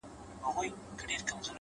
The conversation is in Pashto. • تاته سلام په دواړو لاسو كوم ـ